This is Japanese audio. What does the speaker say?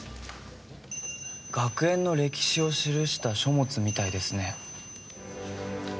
学園の歴史を記した書物みたいですね。